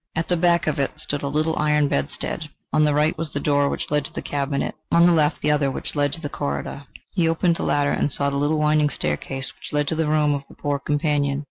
At the back of it stood a little iron bedstead; on the right was the door which led to the cabinet; on the left the other which led to the corridor. He opened the latter, and saw the little winding staircase which led to the room of the poor companion...